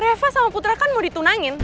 reva sama putra kan mau ditunangin